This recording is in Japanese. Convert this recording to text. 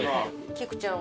菊ちゃん。